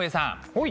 はい。